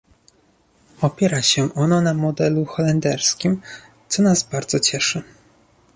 Opiera się ono na modelu holenderskim, co nas bardzo cieszy